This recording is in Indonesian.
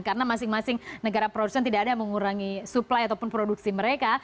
karena masing masing negara produsen tidak ada yang mengurangi suplai ataupun produksi mereka